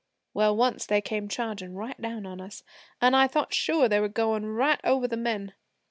Well, once they came chargin' right down on us, an' I thought sure they were goin' right over the men.